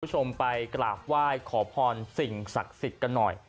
คุณผู้ชมไปกราบไหว้ขอพรสิ่งศักดิ์สิทธิ์กันหน่อย